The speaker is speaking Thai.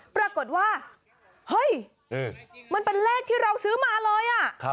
ปรากฏว่าเฮ้ยมันเป็นเลขที่เราซื้อมาเลย